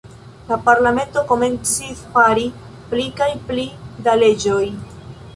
La parlamento komencis fari pli kaj pli da leĝoj.